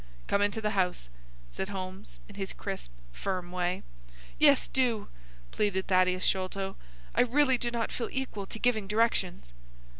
"Come into the house," said Holmes, in his crisp, firm way. "Yes, do!" pleaded Thaddeus Sholto. "I really do not feel equal to giving directions."